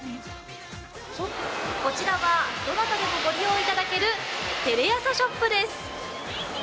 こちらは、どなたでも利用できるテレアサショップです。